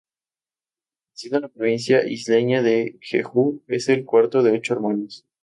Nacido en la provincia isleña de Jeju, es el cuarto de ocho hermanos.